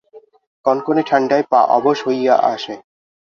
কনকনে ঠাণ্ডায় পা অবশ হইয়া আসে।